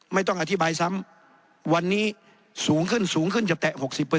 ไม่ต้องอธิบายซ้ำวันนี้สูงขึ้นสูงขึ้นจะแตะ๖๐